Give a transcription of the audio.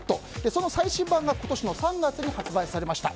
その最新版が今年の３月に発売されました。